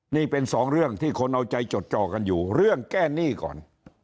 นี่เป็นสองเรื่องที่คนเอาใจจดจอกันอยู่เรื่องแก้หนี้ก่อน